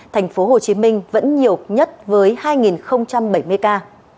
thành phố hồ chí minh vẫn nhiều nhất với hai bảy mươi ca